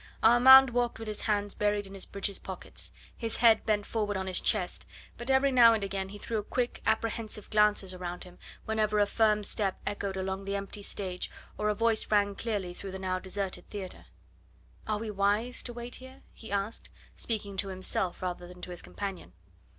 Armand walked with his hands buried in his breeches pockets, his head bent forward on his chest; but every now and again he threw quick, apprehensive glances round him whenever a firm step echoed along the empty stage or a voice rang clearly through the now deserted theatre. "Are we wise to wait here?" he asked, speaking to himself rather than to his companion.